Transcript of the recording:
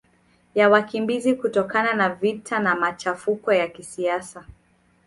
ya wakimbizi kutokana na vita na machafuko ya kisiasa